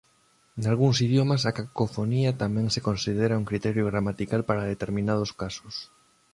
Nalgúns idiomas a cacofonía tamén se considera un criterio gramatical para determinados casos.